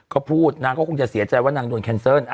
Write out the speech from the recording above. เขาพูดนางก็คงจะเสียใจว่านางโดนแคนเซิล